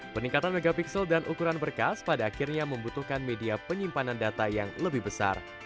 peningkatan megapiksel dan ukuran berkas pada akhirnya membutuhkan media penyimpanan data yang lebih besar